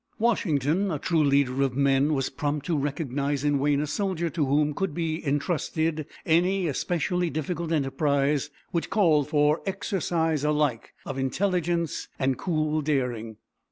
Washington, a true leader of men, was prompt to recognize in Wayne a soldier to whom could be intrusted any especially difficult enterprise which called for the exercise alike of intelligence and of cool daring.